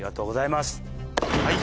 はい！